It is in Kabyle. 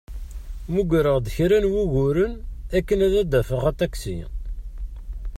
Mmugreɣ-d kra n wuguren akken ad d-afeɣ aṭaksi.